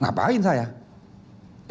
nggak dianggap negara ini